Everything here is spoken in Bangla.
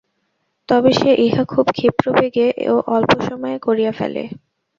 তবে সে ইহা খুব ক্ষিপ্র বেগে ও অল্প সময়ে করিয়া ফেলে।